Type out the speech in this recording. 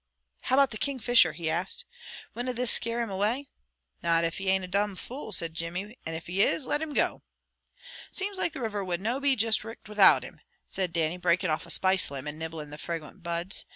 "How about the Kingfisher?" he asked. "Winna this scare him away?" "Not if he ain't a domn fool," said Jimmy; "and if he is, let him go!" "Seems like the river would no be juist richt without him," said Dannie, breaking off a spice limb and nibbling the fragrant buds.